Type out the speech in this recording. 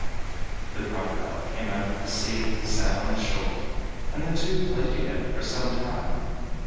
The crocodile came out of the sea and sat on the shore, and the two played together for some time.